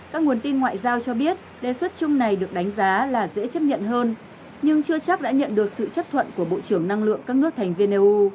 các nguồn tin ngoại giao cho biết đề xuất chung này được đánh giá là dễ chấp nhận hơn nhưng chưa chắc đã nhận được sự chấp thuận của bộ trưởng năng lượng các nước thành viên eu